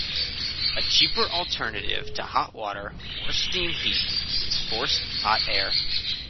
A cheaper alternative to hot water or steam heat is forced hot air.